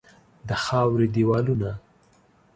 د خاوري دیوالونه